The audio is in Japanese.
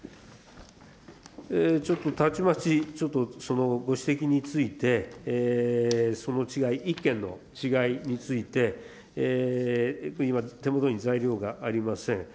ちょっと、たちまち、ちょっとご指摘について、その違い、１件の違いについて、今、手元に材料がありません。